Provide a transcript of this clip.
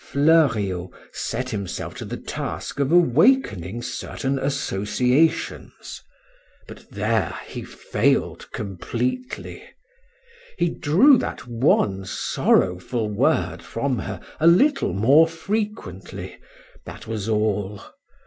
Fleuriot set himself to the task of awakening certain associations; but there he failed completely; he drew that one sorrowful word from her a little more frequently, that was all.